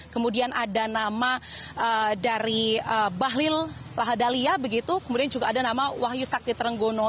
kemudian ada nama dari bahlil lahadalia begitu kemudian juga ada nama wahyu sakti trenggono